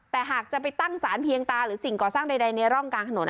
แต่หากจะไปตั้งสารเพียงตาหรือสิ่งก่อสร้างใดในร่องกลางถนน